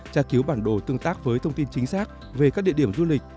tra cứu bản đồ tương tác với thông tin chính xác về các địa điểm du lịch